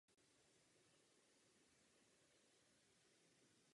Jejím podkladem jsou poloviny prvních dvou obratlů.